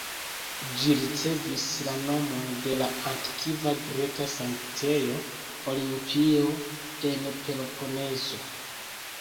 Ĝi ricevis la nomon de la antikva greka sanktejo Olimpio, en Peloponezo.